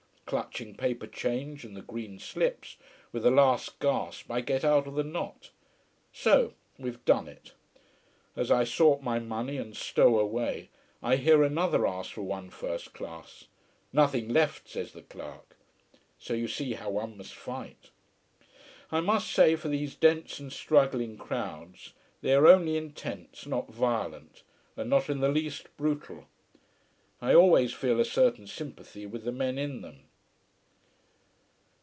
Clutching paper change and the green slips, with a last gasp I get out of the knot. So we've done it. As I sort my money and stow away, I hear another ask for one first class. Nothing left, says the clerk. So you see how one must fight. I must say for these dense and struggling crowds, they are only intense, not violent, and not in the least brutal. I always feel a certain sympathy with the men in them.